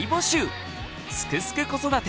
「すくすく子育て」